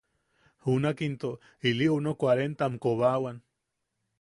Junak into ili uno kuarentam kobaawan.